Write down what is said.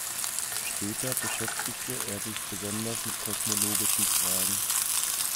Später beschäftigte er sich besonders mit kosmologischen Fragen.